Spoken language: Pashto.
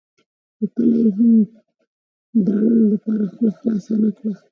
خو کله یې هم د داړلو لپاره خوله خلاصه نه کړه.